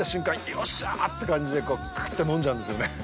よっしゃーって感じでクーっと飲んじゃうんですよね。